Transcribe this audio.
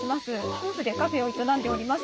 夫婦でカフェを営んでおります。